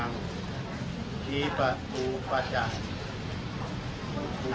ขอบคุณครับ